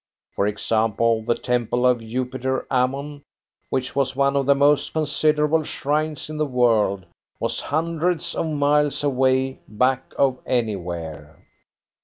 For example, the temple of Jupiter Ammon, which was one of the most considerable shrines in the world, was hundreds of miles away back of anywhere.